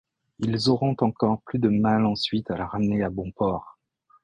Ils auront encore plus de mal ensuite à la ramener à bon port.